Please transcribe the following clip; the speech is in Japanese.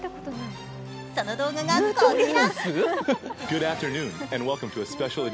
その動画がこちら。